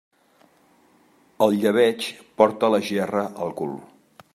El llebeig porta la gerra al cul.